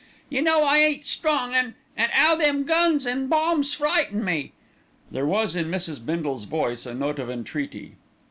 "You know I ain't strong and and 'ow them guns an' bombs frighten me." There was in Mrs. Bindle's voice a note of entreaty.